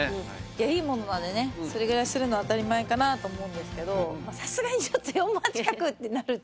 いいものなんでねそれぐらいするのは当たり前かなと思うんですけどさすがにちょっと４万弱ってなると。